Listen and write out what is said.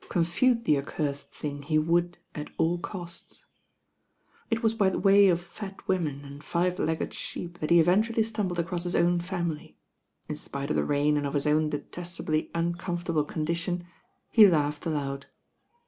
Confute the ac cursed thing he would at all costs. It was by way of fat women and five legged sheep that he eventually stumbled across his own family. In spite of the rain and of his own detestably un comfortable condition, he laughed aloud.